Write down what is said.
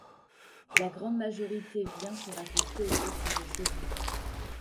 La grande majorité vient pour assister aux courses de chevaux.